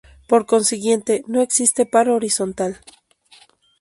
Por consiguiente, no existe par horizontal.